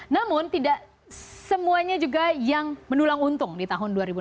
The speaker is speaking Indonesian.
namun tidak semuanya juga yang menulang untung di tahun dua ribu enam belas